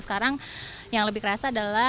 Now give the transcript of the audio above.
sekarang yang lebih kerasa